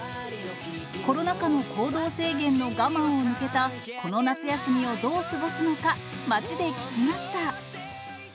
コロナ禍の行動制限の我慢を抜けた、この夏休みをどう過ごすのか、街で聞きました。